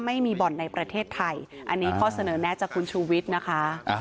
ไม่มีบ่อนในประเทศไทยอันนี้ข้อเสนอแน่จากคุณชูวิทย์นะคะ